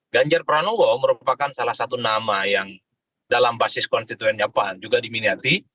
ganjar pranowo merupakan salah satu nama yang dalam basis konstituennya pan juga diminati